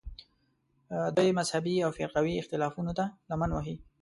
دوی مذهبي او فرقوي اختلافونو ته لمن وهل